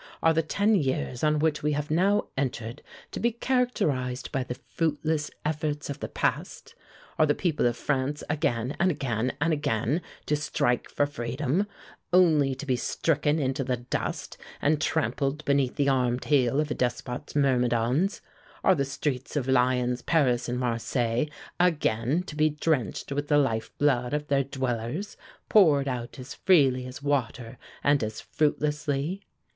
"Are the ten years on which we have now entered to be characterized by the fruitless efforts of the past? Are the people of France again, and again, and again to strike for freedom, only to be stricken into the dust and trampled beneath the armed heel of a despot's myrmidons? Are the streets of Lyons, Paris and Marseilles again to be drenched with the life blood of their dwellers, poured out as freely as water and as fruitlessly?